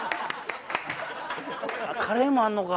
カレーもあるのか。